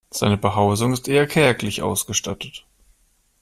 Seine Behausung ist eher kärglich ausgestattet.